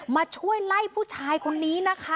มาช่วยไล่ผู้ชายคนนี้นะคะ